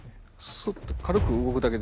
スッと軽く動くだけで。